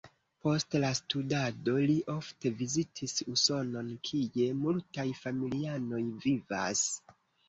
Post la studado li ofte vizitis Usonon, kie multaj familianoj vivas.